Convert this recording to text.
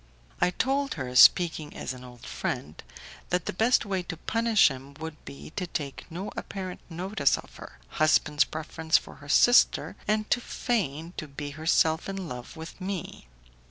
I told her, speaking as an old friend, that the best way to punish him would be to take no apparent notice of her husband's preference for her sister, and to feign to be herself in love with me.